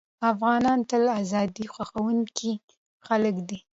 افغانان تل ازادي خوښوونکي خلک دي.